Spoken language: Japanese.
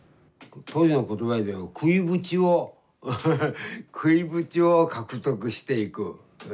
当時の言葉では食いぶちを食いぶちを獲得していく。